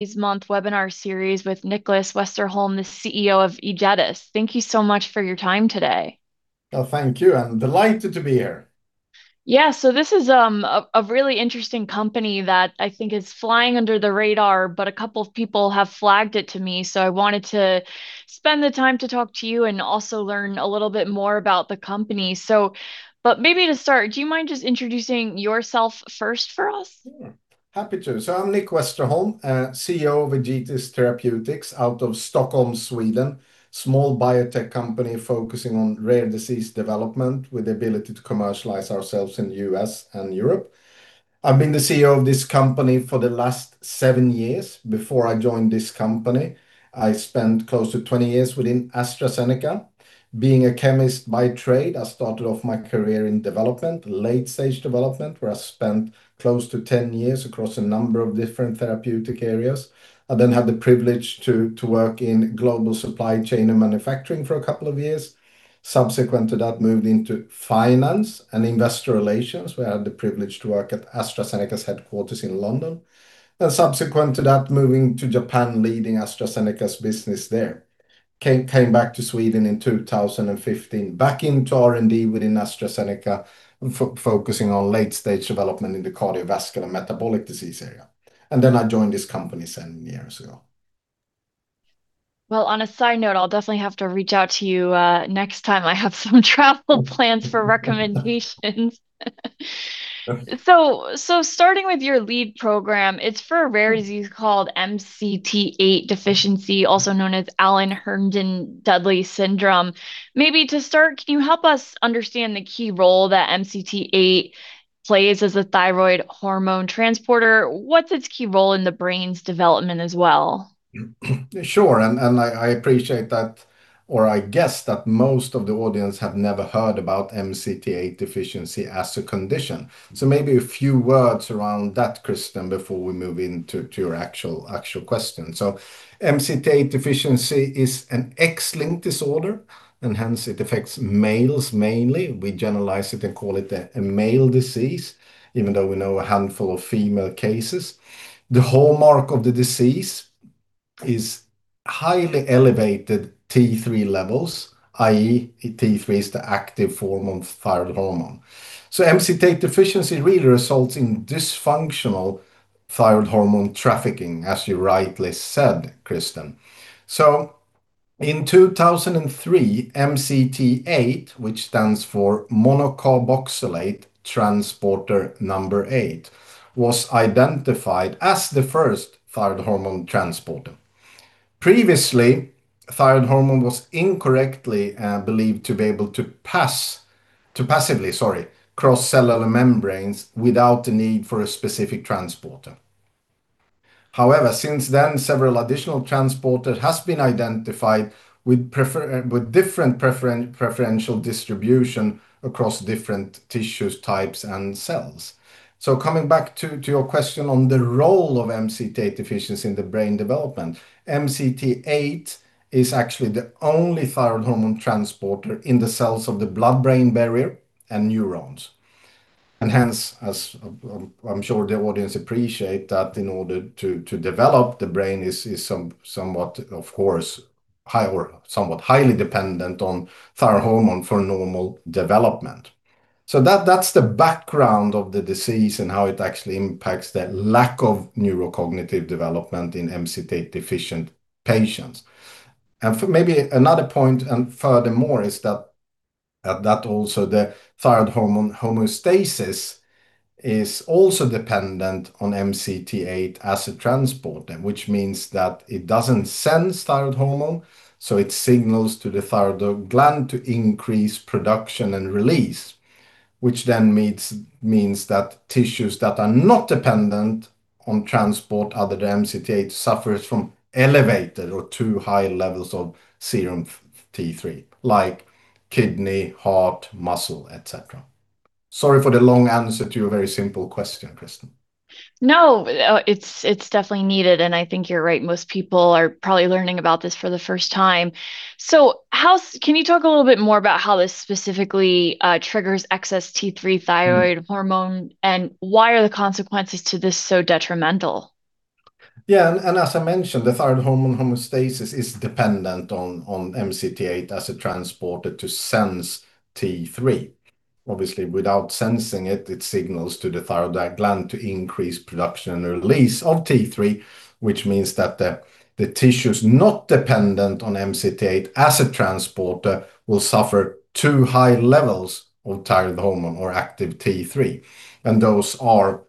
This month webinar series with Nicklas Westerholm, the CEO of Egetis. Thank you so much for your time today. Well, thank you. I'm delighted to be here. Yeah, so this is, a really interesting company that I think is flying under the radar, but a couple of people have flagged it to me, so I wanted to spend the time to talk to you and also learn a little bit more about the company. But maybe to start, do you mind just introducing yourself first for us? Yeah. Happy to. I'm Nick Westerholm, CEO of Egetis Therapeutics out of Stockholm, Sweden. Small biotech company focusing on rare disease development, with the ability to commercialize ourselves in the U.S. and Europe. I've been the CEO of this company for the last seven years. Before I joined this company, I spent close to 20 years within AstraZeneca. Being a chemist by trade, I started off my career in development, late-stage development, where I spent close to 10 years across a number of different therapeutic areas. I then had the privilege to work in global supply chain and manufacturing for two years. Subsequent to that, moved into finance and investor relations, where I had the privilege to work at AstraZeneca's headquarters in London. Subsequent to that, moving to Japan, leading AstraZeneca's business there. Came back to Sweden in 2015, back into R&D within AstraZeneca, focusing on late-stage development in the cardiovascular metabolic disease area, I joined this company seven years ago. Well, on a side note, I'll definitely have to reach out to you next time I have some travel plans for recommendations. Starting with your lead program, it's for a rare disease called MCT8 deficiency, also known as Allan-Herndon-Dudley syndrome. Maybe to start, can you help us understand the key role that MCT8 plays as a thyroid hormone transporter? What's its key role in the brain's development as well? Sure, and I appreciate that, or I guess that most of the audience have never heard about MCT8 deficiency as a condition. Maybe a few words around that, Kristin, before we move into your actual question. MCT8 deficiency is an X-linked disorder, and hence it affects males mainly. We generalize it and call it a male disease, even though we know a handful of female cases. The hallmark of the disease is highly elevated T3 levels, i.e., T3 is the active form of thyroid hormone. MCT8 deficiency really results in dysfunctional thyroid hormone trafficking, as you rightly said, Kristin. In 2003, MCT8, which stands for monocarboxylate transporter number eight, was identified as the first thyroid hormone transporter. Previously, thyroid hormone was incorrectly believed to be able to pass... To passively, sorry, cross cellular membranes without the need for a specific transporter. However, since then, several additional transporter has been identified with different preferential distribution across different tissues, types, and cells. Coming back to your question on the role of MCT8 deficiency in the brain development, MCT8 is actually the only thyroid hormone transporter in the cells of the blood-brain barrier and neurons. Hence, as I'm sure the audience appreciate, that in order to develop the brain is somewhat, of course, high or somewhat highly dependent on thyroid hormone for normal development. That's the background of the disease and how it actually impacts the lack of neurocognitive development in MCT8-deficient patients. For maybe another point, and furthermore, is that also the thyroid hormone homeostasis is also dependent on MCT8 as a transporter, which means that it doesn't sense thyroid hormone, so it signals to the thyroid gland to increase production and release, which then means that tissues that are not dependent on transport, other than MCT8, suffers from elevated or too high levels of serum T3, like kidney, heart, muscle, et cetera. Sorry for the long answer to your very simple question, Kristin. No, it's definitely needed, and I think you're right, most people are probably learning about this for the first time. How can you talk a little bit more about how this specifically triggers excess T3 thyroid hormone, and why are the consequences to this so detrimental? Yeah, as I mentioned, the thyroid hormone homeostasis is dependent on MCT8 as a transporter to sense T3. Obviously, without sensing it signals to the thyroid gland to increase production and release of T3, which means that the tissues not dependent on MCT8 as a transporter will suffer too high levels of thyroid hormone or active T3, and those are,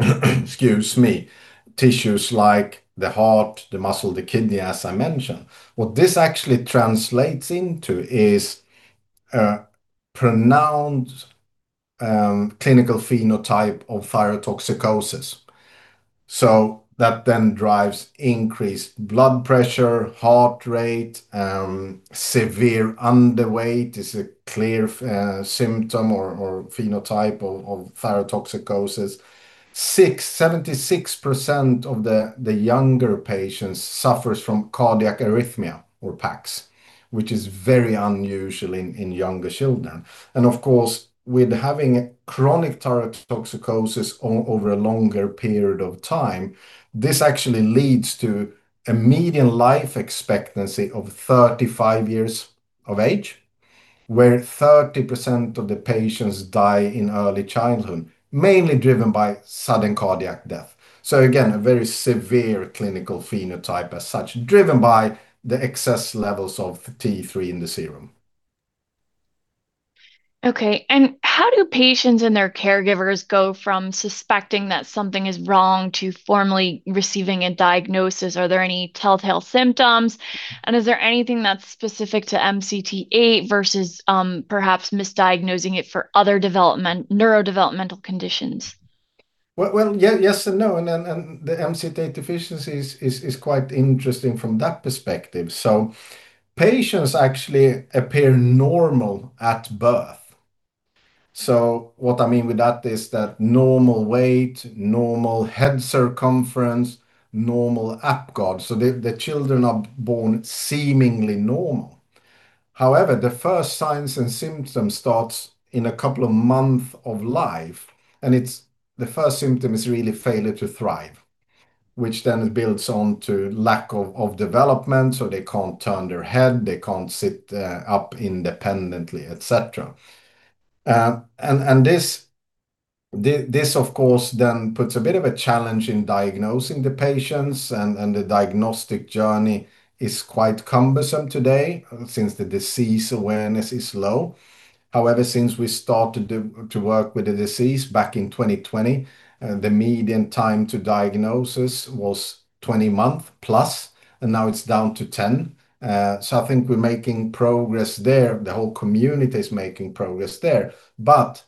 excuse me, tissues like the heart, the muscle, the kidney, as I mentioned. What this actually translates into is pronounced clinical phenotype of thyrotoxicosis. That then drives increased blood pressure, heart rate. Severe underweight is a clear symptom or phenotype of thyrotoxicosis. 76% of the younger patients suffers from cardiac arrhythmia or PACs, which is very unusual in younger children. Of course, with having chronic thyrotoxicosis over a longer period of time, this actually leads to a median life expectancy of 35 years of age, where 30% of the patients die in early childhood, mainly driven by sudden cardiac death. Again, a very severe clinical phenotype as such, driven by the excess levels of T3 in the serum. Okay, how do patients and their caregivers go from suspecting that something is wrong to formally receiving a diagnosis? Are there any telltale symptoms, and is there anything that's specific to MCT8 versus perhaps misdiagnosing it for other neurodevelopmental conditions? Well, yeah, yes and no, and the MCT8 deficiency is quite interesting from that perspective. Patients actually appear normal at birth. What I mean with that is that normal weight, normal head circumference, normal APGAR. The children are born seemingly normal. However, the first signs and symptoms starts in a couple of month of life, and the first symptom is really failure to thrive, which then builds on to lack of development, so they can't turn their head, they can't sit up independently, et cetera. This, of course, then puts a bit of a challenge in diagnosing the patients, and the diagnostic journey is quite cumbersome today since the disease awareness is low. Since we started to work with the disease back in 2020, the median time to diagnosis was 20 month plus, and now it's down to 10. I think we're making progress there. The whole community is making progress there.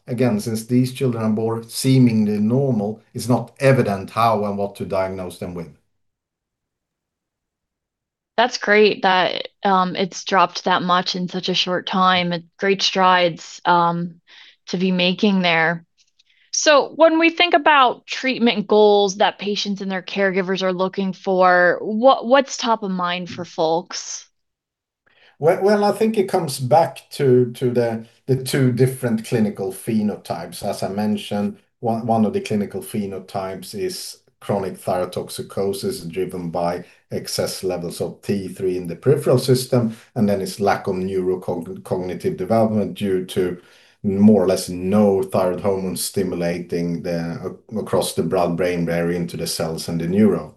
Again, since these children are born seemingly normal, it's not evident how and what to diagnose them with. That's great that it's dropped that much in such a short time, and great strides to be making there. When we think about treatment goals that patients and their caregivers are looking for, what's top of mind for folks? Well, I think it comes back to the two different clinical phenotypes. As I mentioned, one of the clinical phenotypes is chronic thyrotoxicosis, driven by excess levels of T3 in the peripheral system, and then it's lack of cognitive development due to more or less no thyroid hormone stimulating across the blood-brain barrier into the cells and the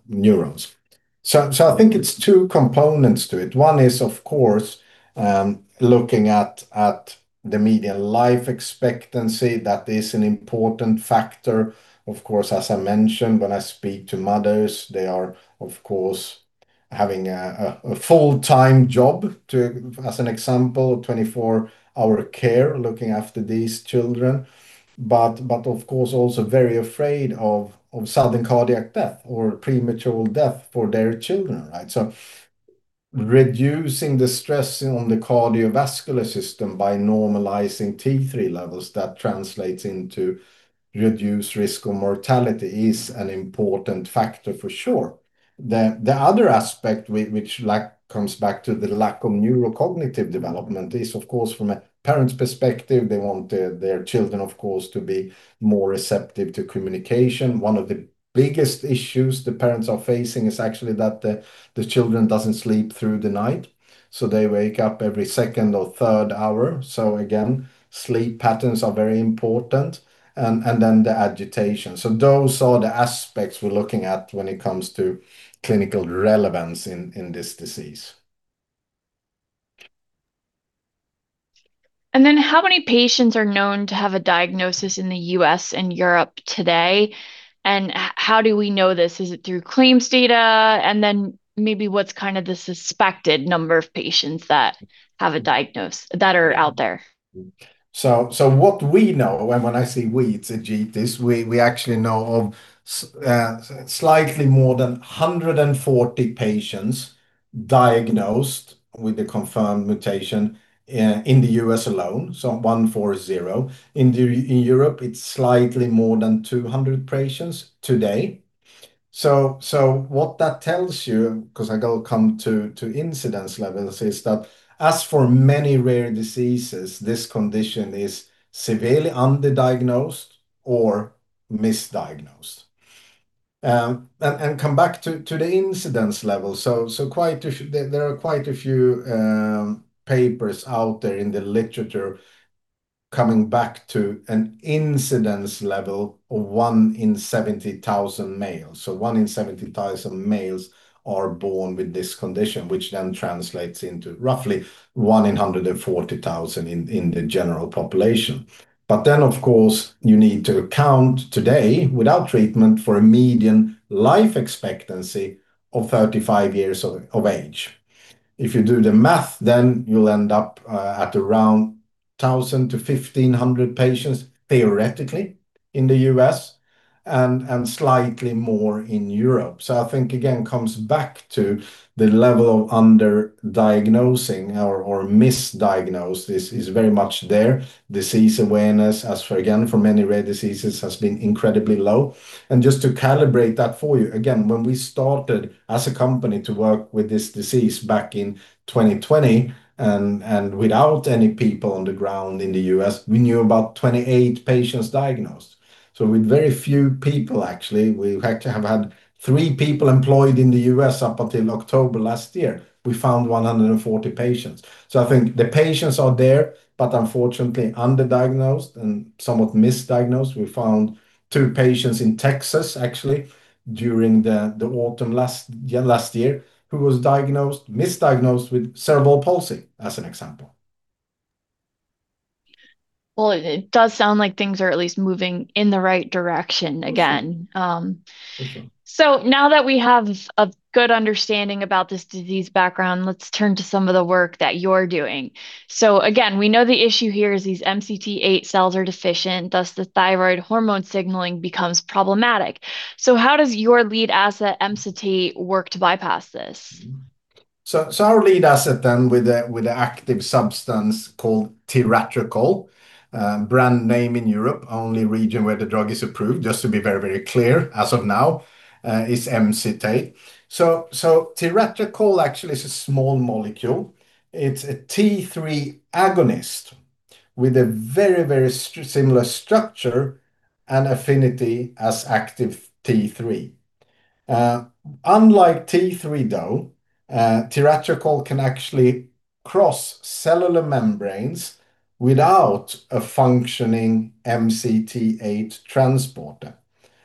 neurons. I think it's two components to it. One is, of course, looking at the median life expectancy. That is an important factor. Of course, as I mentioned, when I speak to mothers, they are, of course, having a full-time job to, as an example, 24-hour care, looking after these children, of course, also very afraid of sudden cardiac death or premature death for their children, right? Reducing the stress on the cardiovascular system by normalizing T3 levels, that translates into reduced risk of mortality, is an important factor, for sure. The other aspect which comes back to the lack of neurocognitive development is, of course, from a parent's perspective, they want their children, of course, to be more receptive to communication. One of the biggest issues the parents are facing is actually that the children doesn't sleep through the night, so they wake up every second or third hour. Again, sleep patterns are very important, and then the agitation. Those are the aspects we're looking at when it comes to clinical relevance in this disease. How many patients are known to have a diagnosis in the U.S. and Europe today, and how do we know this? Is it through claims data? Maybe what's kind of the suspected number of patients that have a diagnosis that are out there? What we know, when I say we, it's Egetis, we actually know of slightly more than 140 patients diagnosed with a confirmed mutation in the U.S. alone, 140. In Europe, it's slightly more than 200 patients today. What that tells you, 'cause I got to come to incidence levels, is that as for many rare diseases, this condition is severely underdiagnosed or misdiagnosed. Come back to the incidence level. Quite a few, there are quite a few papers out there in the literature coming back to an incidence level of one in 70,000 males. One in 70,000 males are born with this condition, which then translates into roughly one in 140,000 in the general population. Of course, you need to account today, without treatment, for a median life expectancy of 35 years of age. If you do the math, you'll end up at around 1,000 to 1,500 patients, theoretically, in the U.S., and slightly more in Europe. I think, again, comes back to the level of underdiagnosing or misdiagnosis is very much there. Disease awareness, as for, again, for many rare diseases, has been incredibly low. Just to calibrate that for you, again, when we started as a company to work with this disease back in 2020, and without any people on the ground in the U.S., we knew about 28 patients diagnosed. With very few people, actually, we had to have had three people employed in the U.S. up until October last year, we found 140 patients. I think the patients are there, but unfortunately underdiagnosed and somewhat misdiagnosed. We found two patients in Texas, actually, during the autumn last year, who was misdiagnosed with cerebral palsy, as an example. It does sound like things are at least moving in the right direction again. Now that we have a good understanding about this disease background, let's turn to some of the work that you're doing. Again, we know the issue here is these MCT8 cells are deficient, thus, the thyroid hormone signaling becomes problematic. How does your lead asset, Emcitate, work to bypass this? Our lead asset then with an active substance called tiratricol, brand name in Europe, only region where the drug is approved, just to be very clear as of now, is Emcitate. Tiratricol actually is a small molecule. It's a T3 agonist with a very similar structure and affinity as active T3. Unlike T3, though, tiratricol can actually cross cellular membranes without a functioning MCT8 transporter,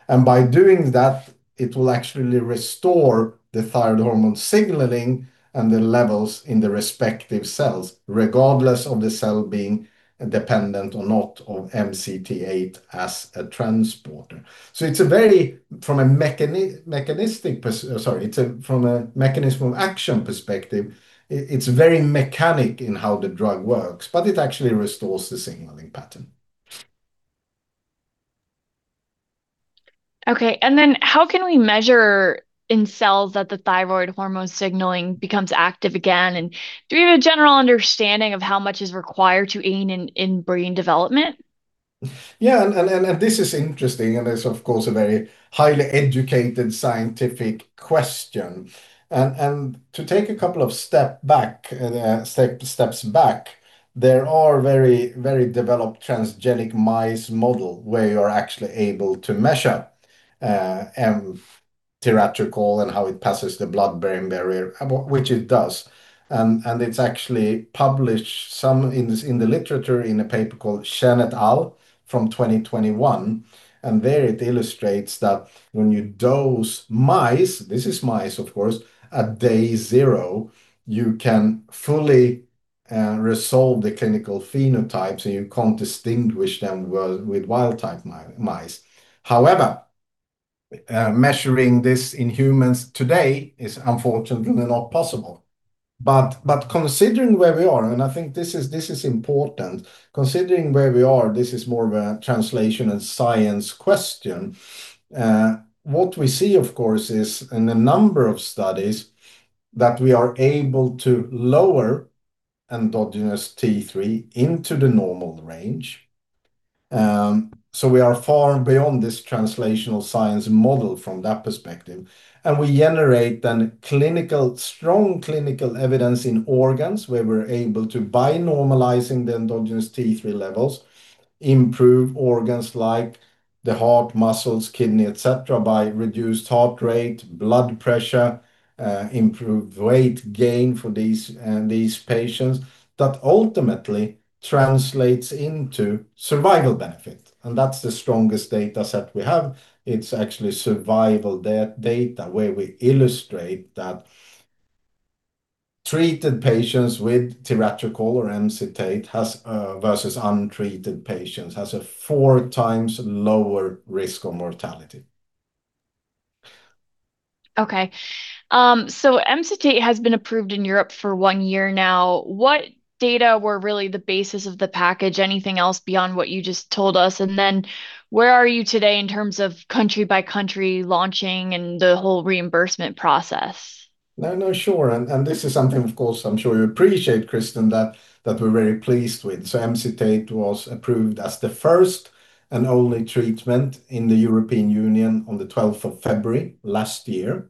and by doing that, it will actually restore the thyroid hormone signaling and the levels in the respective cells, regardless of the cell being dependent or not on MCT8 as a transporter. It's a very, from a mechanistic perspective, sorry, it's from a mechanism action perspective, it's very mechanic in how the drug works, but it actually restores the signaling pattern. Okay, how can we measure in cells that the thyroid hormone signaling becomes active again, and do you have a general understanding of how much is required to aim in brain development? This is interesting, and it's, of course, a very highly educated scientific question. To take a couple of steps back, there are very developed transgenic mouse model, where you're actually able to measure tiratricol and how it passes the blood-brain barrier, which it does. It's actually published some in the literature, in a paper called Chen et al., from 2021, there it illustrates that when you dose mice, this is mice, of course, at day zero, you can fully resolve the clinical phenotypes, and you can't distinguish them with wild-type mice. However, measuring this in humans today is unfortunately not possible. Considering where we are, and I think this is important, considering where we are, this is more of a translation and science question. What we see, of course, is in a number of studies, that we are able to lower endogenous T3 into the normal range. We are far beyond this translational science model from that perspective, and we generate then clinical, strong clinical evidence in organs, where we're able to, by normalizing the endogenous T3 levels, improve organs like the heart, muscles, kidney, et cetera, by reduced heart rate, blood pressure, improve weight gain for these patients. That ultimately translates into survival benefit, and that's the strongest data set we have. It's actually survival data, where we illustrate that treated patients with tiratricol or Emcitate has versus untreated patients, has a four times lower risk of mortality. Okay, Emcitate has been approved in Europe for one year now. What data were really the basis of the package? Anything else beyond what you just told us? Where are you today in terms of country-by-country launching and the whole reimbursement process? This is something, of course, I'm sure you appreciate, Kristin, that we're very pleased with. Emcitate was approved as the first and only treatment in the European Union on the 12th of February last year.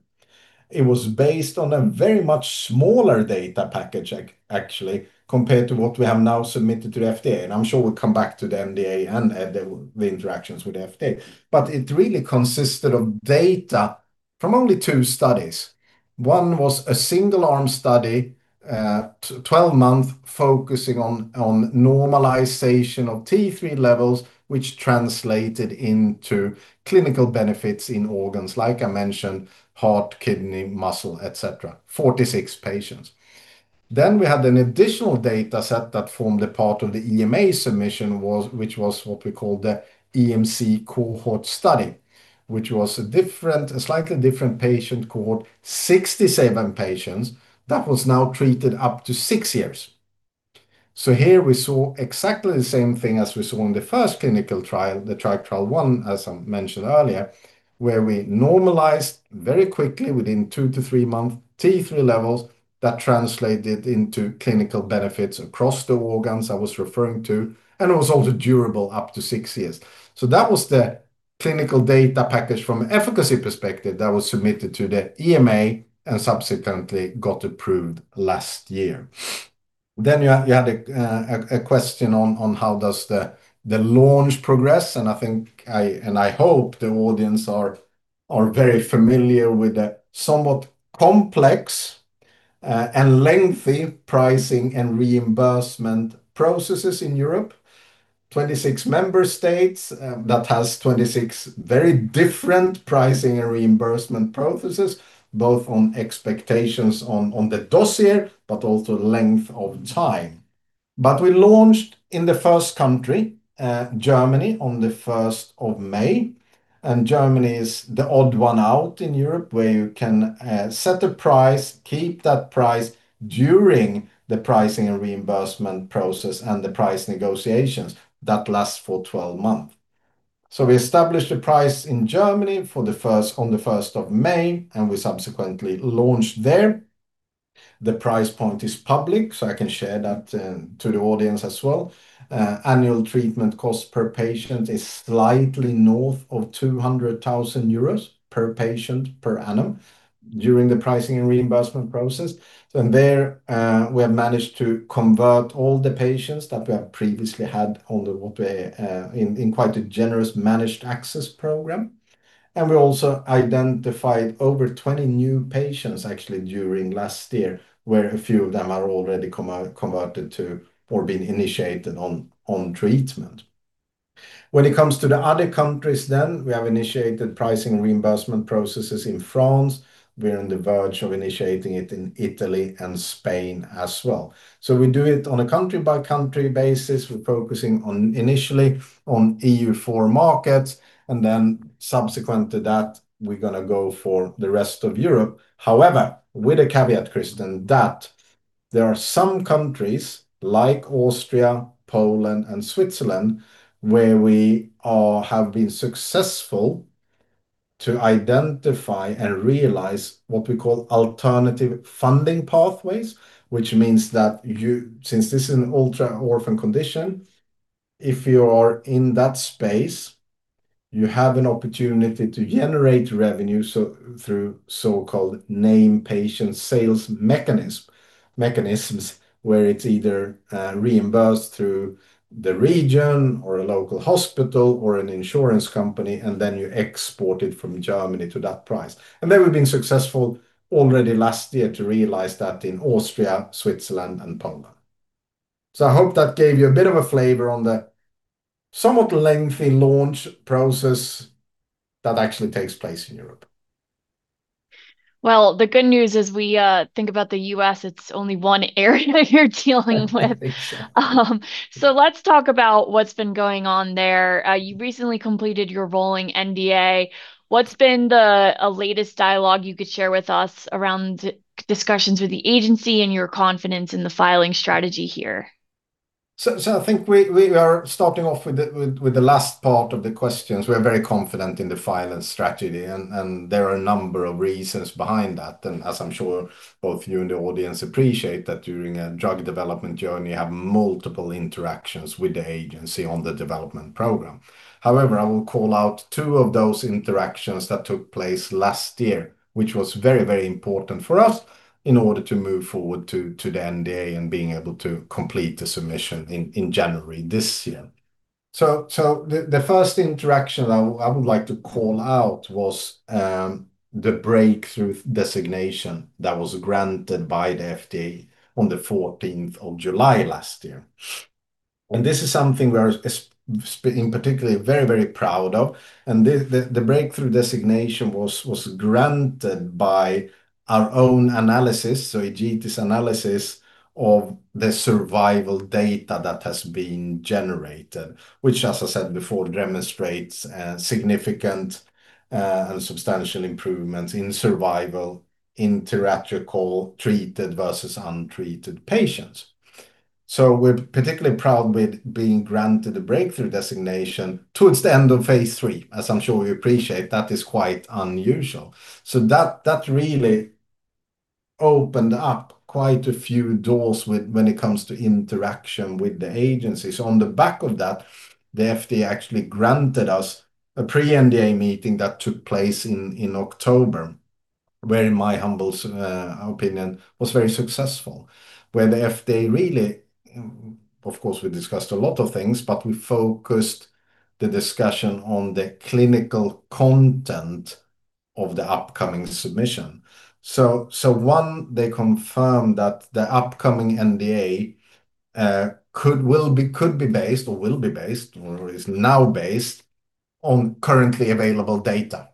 It was based on a very much smaller data package, actually, compared to what we have now submitted to the FDA, and I'm sure we'll come back to the FDA and the interactions with the FDA. It really consisted of data from only two studies. One was a single-arm study, 12-month, focusing on normalization of T3 levels, which translated into clinical benefits in organs, like I mentioned, heart, kidney, muscle, et cetera, 46 patients. We had an additional data set that formed a part of the EMA submission was- which was what we call the EMC Cohort Study, which was a different, a slightly different patient cohort, 67 patients, that was now treated up to six years. Here, we saw exactly the same thing as we saw in the first clinical trial, Trial One, as I mentioned earlier, where we normalized very quickly, within two to three months, T3 levels that translated into clinical benefits across the organs I was referring to, and it was also durable up to six years. That was the clinical data package from efficacy perspective that was submitted to the EMA, and subsequently, got approved last year. You had a question on how does the launch progress, and I think I, and I hope the audience are very familiar with the somewhat complex and lengthy pricing and reimbursement processes in Europe. 26 member states that has 26 very different pricing and reimbursement processes, both on expectations on the dossier, but also length of time. We launched in the first country, Germany, on the May 1st and Germany is the odd one out in Europe, where you can set a price, keep that price during the pricing and reimbursement process and the price negotiations that last for 12 months. We established a price in Germany on the May 1st, and we subsequently launched there. The price point is public. I can share that to the audience as well. Annual treatment cost per patient is slightly north of 200,000 euros per patient per annum during the pricing and reimbursement process. There, we have managed to convert all the patients that we have previously had on the WEP in quite a generous managed access program. We also identified over 20 new patients, actually, during last year, where a few of them are already converted to or being initiated on treatment. When it comes to the other countries, we have initiated pricing and reimbursement processes in France. We are on the verge of initiating it in Italy and Spain as well. We do it on a country-by-country basis. We're focusing on initially on EU four markets, and then subsequent to that, we're going to go for the rest of Europe. However, with a caveat, Kristin, that there are some countries like Austria, Poland, and Switzerland, where we have been successful to identify and realize what we call alternative funding pathways, which means that you, since this is an ultra-orphan condition, if you are in that space, you have an opportunity to generate revenue, so, through so-called name Patient Sales Mechanisms, where it's either reimbursed through the region or a local hospital or an insurance company, and then you export it from Germany to that price. There, we've been successful already last year to realize that in Austria, Switzerland, and Poland. I hope that gave you a bit of a flavor on the somewhat lengthy launch process that actually takes place in Europe. The good news is we, think about the U.S., it's only one area you're dealing with. Exactly. Let's talk about what's been going on there. You recently completed your rolling NDA. What's been the latest dialogue you could share with us around discussions with the agency and your confidence in the filing strategy here? I think we are starting off with the last part of the questions. We are very confident in the filing strategy, there are a number of reasons behind that. As I'm sure both you and the audience appreciate that during a drug development journey, you have multiple interactions with the agency on the development program. However, I will call out two of those interactions that took place last year, which was very important for us in order to move forward to the NDA and being able to complete the submission in January this year. The first interaction I would like to call out was the Breakthrough designation that was granted by the FDA on the July 14th last year. This is something we are in particular, very proud of, the Breakthrough Designation was granted by our own analysis, so Egetis analysis of the survival data that has been generated, which, as I said before, demonstrates significant and substantial improvements in survival in tiratricol treated versus untreated patients. We're particularly proud with being granted a Breakthrough Designation towards the end of phase III. As I'm sure you appreciate, that is quite unusual. That really opened up quite a few doors when it comes to interaction with the agency. On the back of that, the FDA actually granted us a pre-NDA meeting that took place in October, where, in my humble opinion, was very successful. Where the FDA really, of course, we discussed a lot of things, but we focused the discussion on the clinical content of the upcoming submission. One, they confirmed that the upcoming NDA could be based or will be based, or is now based on currently available data.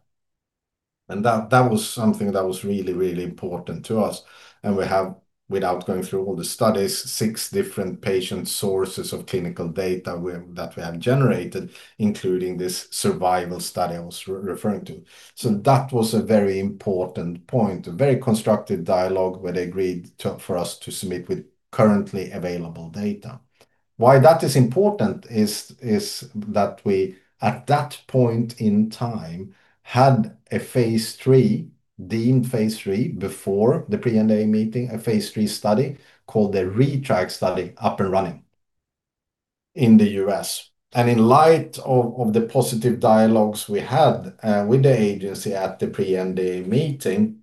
That was something that was really important to us. We have, without going through all the studies, six different patient sources of clinical data that we have generated, including this survival study I was referring to. That was a very important point, a very constructive dialogue, where they agreed to for us to submit with currently available data. Why that is important is that we, at that point in time, had a phase III, deemed phase III, before the pre-NDA meeting, a phase III study called the ReTRIACt Study, up and running in the U.S. In light of the positive dialogues we had with the agency at the pre-NDA meeting.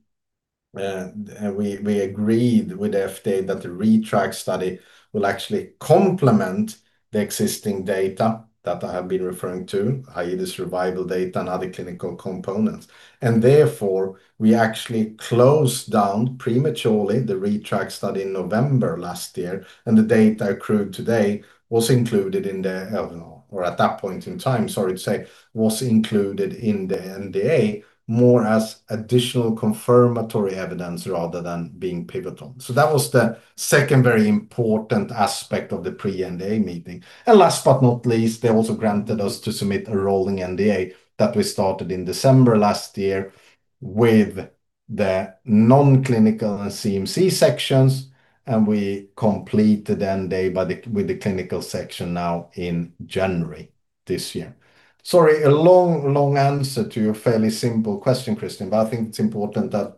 We agreed with the FDA that the ReTRIACt study will actually complement the existing data that I have been referring to, i.e., the survival data and other clinical components. Therefore, we actually closed down prematurely the ReTRIACt study in November last year, and the data accrued today was included in the, or at that point in time, sorry to say, was included in the NDA more as additional confirmatory evidence rather than being pivotal. That was the second very important aspect of the pre-NDA meeting. Last but not least, they also granted us to submit a rolling NDA that we started in December last year with the non-clinical and CMC sections, and we completed the NDA with the clinical section now in January this year. Sorry, a long answer to your fairly simple question, Kristin, but I think it's important that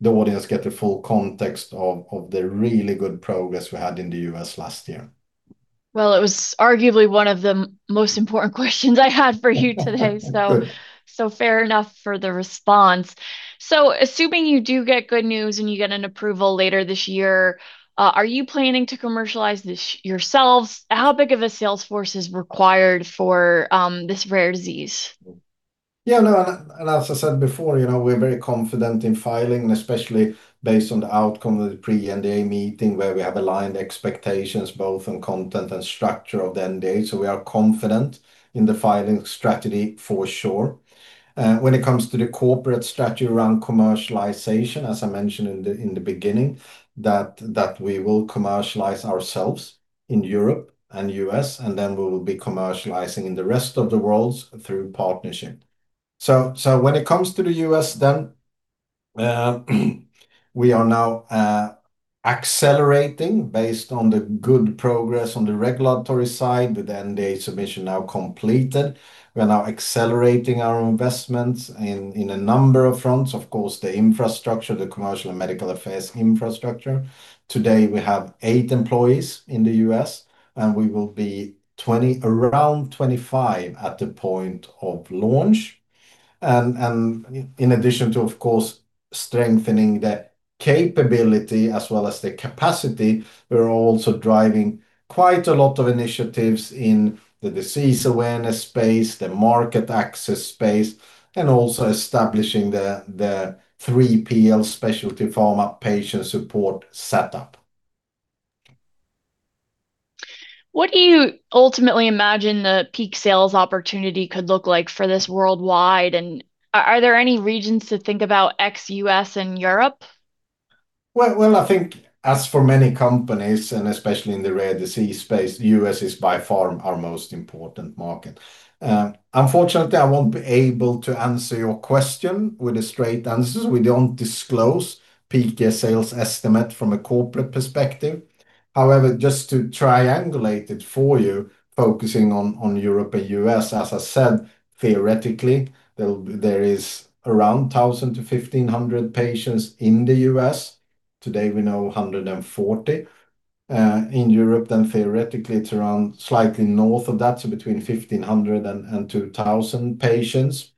the audience get the full context of the really good progress we had in the U.S. last year. Well, it was arguably one of the most important questions I had for you today, so fair enough for the response. Assuming you do get good news, and you get an approval later this year, are you planning to commercialize this yourselves? How big of a sales force is required for this rare disease? Yeah, no, and as I said before, you know, we're very confident in filing, especially based on the outcome of the pre-NDA meeting, where we have aligned expectations both on content and structure of the NDA. We are confident in the filing strategy for sure. When it comes to the corporate strategy around commercialization, as I mentioned in the beginning, that we will commercialize ourselves in Europe and U.S., and then we will be commercializing in the rest of the world through partnership. When it comes to the U.S. then, we are now accelerating based on the good progress on the regulatory side, with the NDA submission now completed. We are now accelerating our investments in a number of fronts, of course, the infrastructure, the commercial and medical affairs infrastructure. Today, we have eight employees in the U.S., and we will be around 25 at the point of launch. In addition to, of course, strengthening the capability as well as the capacity, we're also driving quite a lot of initiatives in the disease awareness space, the market access space, and also establishing the 3PL specialty pharma patient support setup. What do you ultimately imagine the peak sales opportunity could look like for this worldwide, and are there any regions to think about ex U.S. and Europe? Well, I think as for many companies, and especially in the rare disease space, the U.S. is by far our most important market. Unfortunately, I won't be able to answer your question with a straight answer, as we don't disclose peak year sales estimate from a corporate perspective. Just to triangulate it for you, focusing on Europe and U.S., as I said, theoretically, there is around 1,000-1,500 patients in the U.S. Today, we know 140. In Europe, theoretically, it's around slightly north of that, so between 1,500 and 2,000 patients.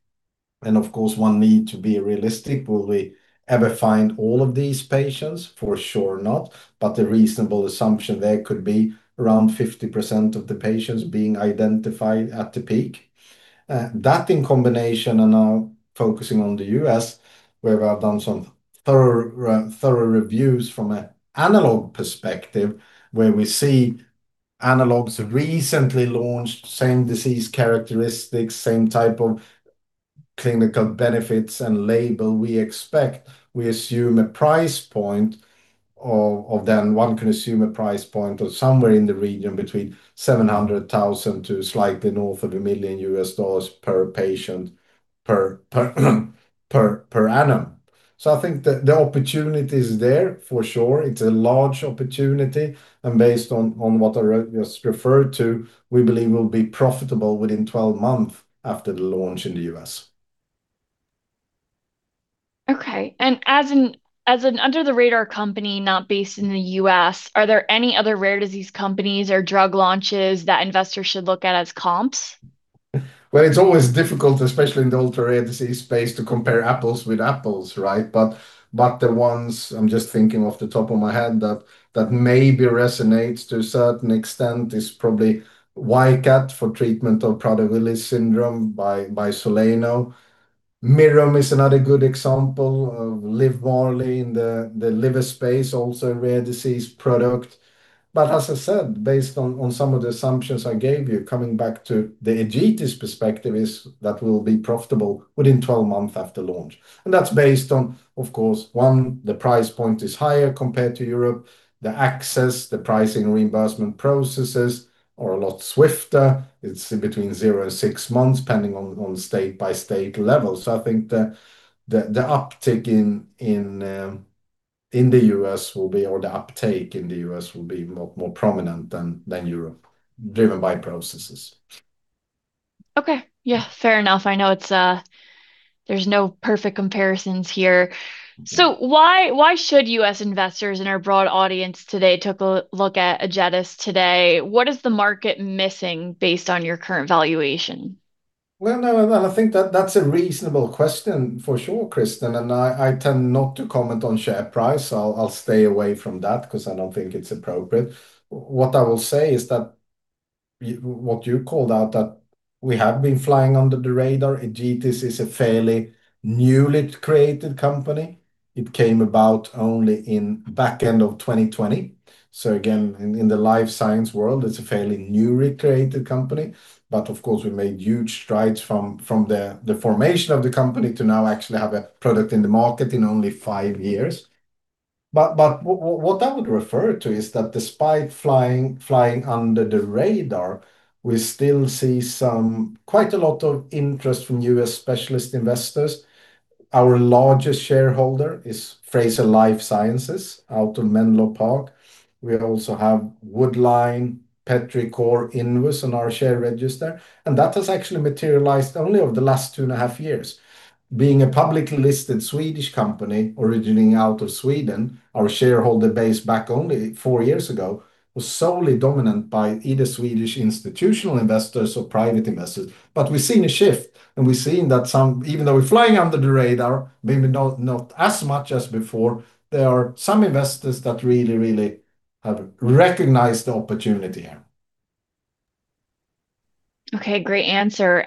Of course, one need to be realistic. Will we ever find all of these patients? For sure not. The reasonable assumption there could be around 50% of the patients being identified at the peak. That, in combination, and now focusing on the U.S., where I've done some thorough reviews from an analog perspective, where we see analogues recently launched, same disease characteristics, same type of clinical benefits and label, we assume a price point of then one can assume a price point of somewhere in the region between $700,000 to slightly north of $1 million per patient per annum. I think the opportunity is there for sure. It's a large opportunity, and based on what I just referred to, we believe we'll be profitable within 12 months after the launch in the U.S. Okay. As an under-the-radar company not based in the U.S., are there any other rare disease companies or drug launches that investors should look at as comps? Well, it's always difficult, especially in the ultra-rare disease space, to compare apples with apples, right? The ones, I'm just thinking off the top of my head, that maybe resonates to a certain extent, is probably VYKAT XR for treatment of Prader-Willi syndrome by Soleno. Mirum is another good example, of LIVMARLI in the liver space, also a rare disease product. As I said, based on some of the assumptions I gave you, coming back to the Egetis perspective, is that we'll be profitable within 12 months after launch. That's based on, of course, one, the price point is higher compared to Europe. The access, the pricing reimbursement processes are a lot swifter. It's between zero and six months, depending on state-by-state level. I think the uptake in the U.S. will be more prominent than Europe, driven by processes. Okay. Yeah, fair enough. I know it's there's no perfect comparisons here. Mm-hmm. Why should U.S. investors and our broad audience today take a look at Egetis today? What is the market missing based on your current valuation? Well, no, I think that that's a reasonable question for sure, Kristin, I tend not to comment on share price. I'll stay away from that because I don't think it's appropriate. What I will say is that what you called out, that we have been flying under the radar. Egetis is a fairly newly created company. It came about only in back end of 2020. Again, in the life science world, it's a fairly newly created company. Of course, we made huge strides from the formation of the company to now actually have a product in the market in only five years. What I would refer to is that despite flying under the radar, we still see some quite a lot of interest from U.S. specialist investors. Our largest shareholder is Frazier Life Sciences, out of Menlo Park. We also have Woodline, Petrichor, Invus on our share register, that has actually materialized only over the last two and a half years. Being a publicly listed Swedish company originating out of Sweden, our shareholder base back only four years ago, was solely dominant by either Swedish institutional investors or private investors. We've seen a shift, and we've seen that even though we're flying under the radar, maybe not as much as before, there are some investors that really have recognized the opportunity here. Okay, great answer.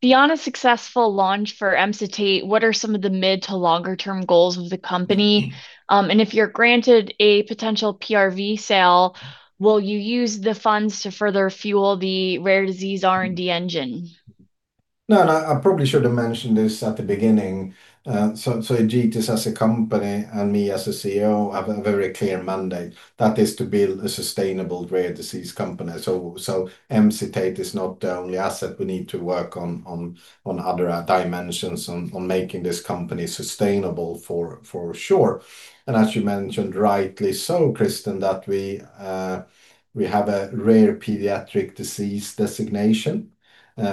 Beyond a successful launch for Emcitate, what are some of the mid to longer term goals of the company? If you're granted a potential PRV sale, will you use the funds to further fuel the rare disease R&D engine? I probably should have mentioned this at the beginning. Egetis, as a company, and me as a CEO, have a very clear mandate, that is to build a sustainable rare disease company. Emcitate is not the only asset we need to work on other dimensions, on making this company sustainable, for sure. As you mentioned, rightly so, Kristin, that we have a rare pediatric disease designation,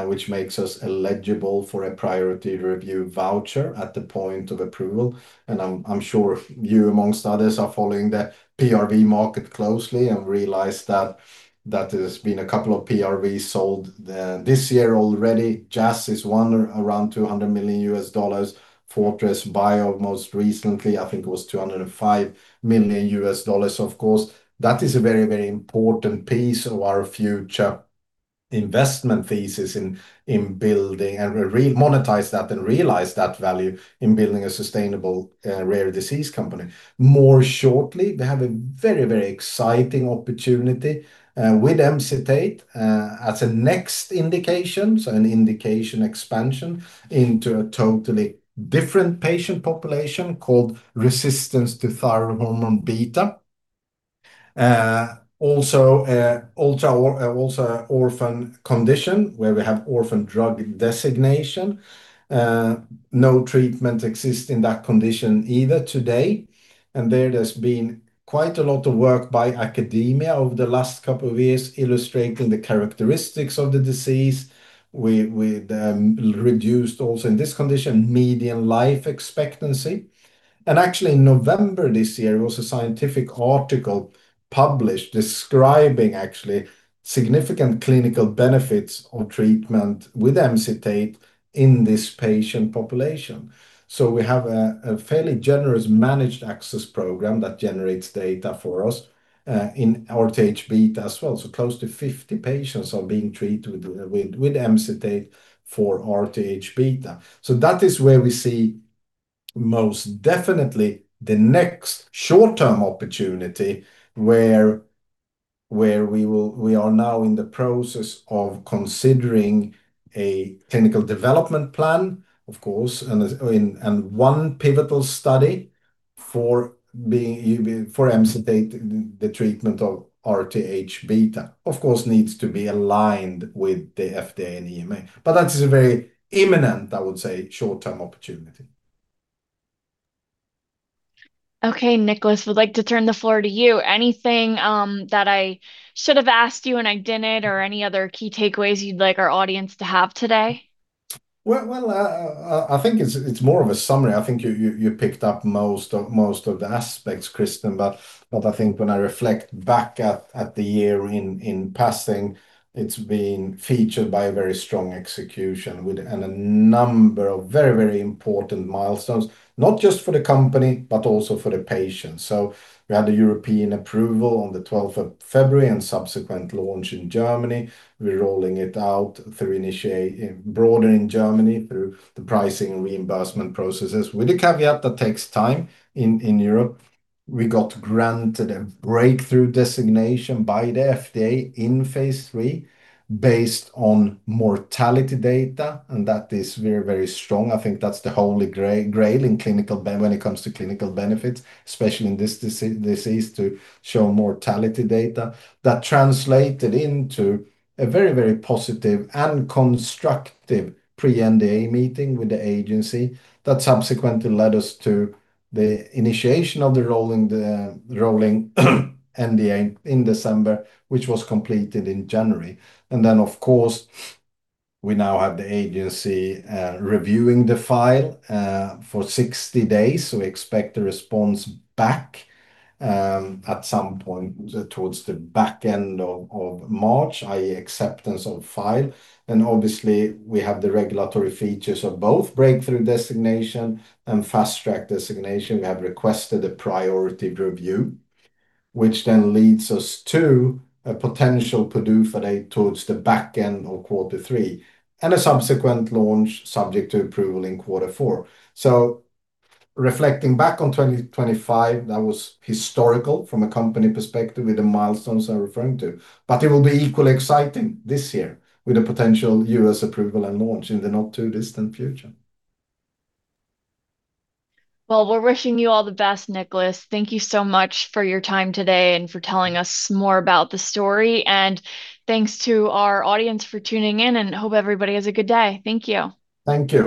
which makes us eligible for a priority review voucher at the point of approval. I'm sure you, amongst others, are following the PRV market closely and realize that there's been a couple of PRVs sold this year already. Jazz is one, around $200 million. Fortress Bio, most recently, I think it was $205 million. Of course, that is a very, very important piece of our future investment thesis in building. Re- monetize that and realize that value in building a sustainable rare disease company. More shortly, we have a very, very exciting opportunity with Emcitate as a next indication, so an indication expansion into a totally different patient population called resistance to thyroid hormone beta. Also orphan condition, where we have orphan drug designation. No treatment exists in that condition either today, there's been quite a lot of work by academia over the last couple of years, illustrating the characteristics of the disease. We reduced also in this condition, median life expectancy. Actually, in November this year, there was a scientific article published describing actually significant clinical benefits of treatment with Emcitate in this patient population. We have a fairly generous managed access program that generates data for us in RTHβ as well. Close to 50 patients are being treated with Emcitate for RTHβ. That is where we see most definitely the next short-term opportunity, where we are now in the process of considering a clinical development plan, of course, and one pivotal study for Emcitate, the treatment of RTHβ. Needs to be aligned with the FDA and EMA, but that is a very imminent, I would say, short-term opportunity. Okay, Nicklas, would like to turn the floor to you. Anything that I should have asked you and I didn't, or any other key takeaways you'd like our audience to have today? Well, I think it's more of a summary. I think you picked up most of the aspects, Kristin, but I think when I reflect back at the year in passing, it's been featured by a very strong execution with. A number of very important milestones, not just for the company, but also for the patient. We had the European approval on the February 12th and subsequent launch in Germany. We're rolling it out broader in Germany, through the pricing reimbursement processes, with the caveat that takes time in Europe. We got granted a Breakthrough Designation by the FDA in phase III based on mortality data, that is very strong. I think that's the Holy Grail when it comes to clinical benefits, especially in this disease, to show mortality data. That translated into a very, very positive and constructive pre-NDA meeting with the agency, that subsequently led us to the initiation of the rolling NDA in December, which was completed in January. Then, of course, we now have the agency reviewing the file for 60 days, so we expect a response back at some point towards the back end of March, i.e., acceptance of file. Obviously, we have the regulatory features of both Breakthrough designation and Fast Track designation. We have requested a priority review, which then leads us to a potential PDUFA date towards the back end of quarter three, and a subsequent launch subject to approval in quarter four. Reflecting back on 2025, that was historical from a company perspective with the milestones I'm referring to, but it will be equally exciting this year with a potential U.S. approval and launch in the not-too-distant future. Well, we're wishing you all the best, Nicklas. Thank you so much for your time today and for telling us more about the story. Thanks to our audience for tuning in, and hope everybody has a good day. Thank you. Thank you.